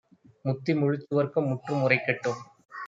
முத்தி முழுச்சுவர்க்கம் முற்றும் உரைக்கட்டும்.